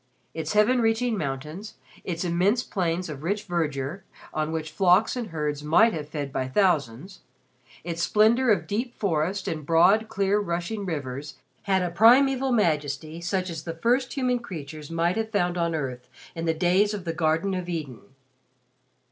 Its heaven reaching mountains, its immense plains of rich verdure on which flocks and herds might have fed by thousands, its splendor of deep forest and broad clear rushing rivers had a primeval majesty such as the first human creatures might have found on earth in the days of the Garden of Eden.